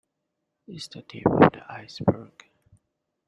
It's the tip of the iceberg.